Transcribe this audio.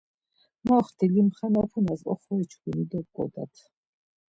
Moxti limxanapunas oxori çkuni dop̌ǩodat.